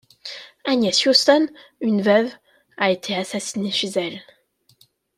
Agnès Huston, une veuve, a été assassinée chez elle.